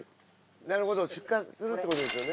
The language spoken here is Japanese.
・なるほど出荷するってことですよね。